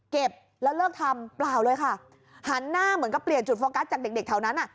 เก็บแล้วเลิกทำเปล่าเลยค่ะหันหน้าเหมือนกับเปลี่ยนจุดโฟกัสจากเด็กเด็กแถวนั้นอ่ะ